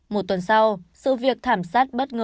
một tuần sau sự việc thảm sát bất ngờ